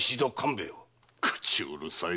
口うるさい